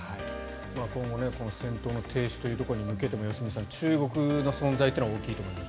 今後戦闘の停止ということに向けても良純さん、中国の存在は大きいと思います。